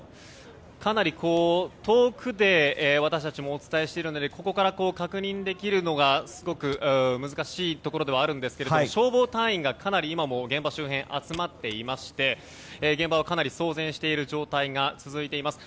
かなり遠くで私たちもお伝えしているのでここから確認できるのがすごく難しいところではあるんですけれども消防隊員がかなり、今も現場周辺に集まっていまして現場は、かなり騒然としている状態が続いています。